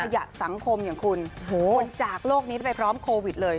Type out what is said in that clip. อยากสังคมอย่างคุณคุณจากโลกนี้ไปพร้อมโควิดเลย